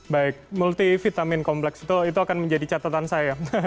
baik multivitamin kompleks itu akan menjadi catatan saya